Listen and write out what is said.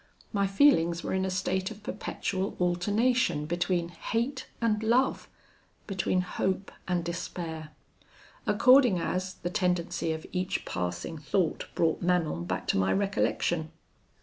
My feelings were in a state of perpetual alternation between hate and love; between hope and despair; according as, the tendency of each passing thought brought Manon back to my recollection.